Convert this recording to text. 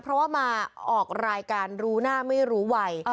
เพราะว่ามาออกรายการรู้หน้าไม่รู้วัย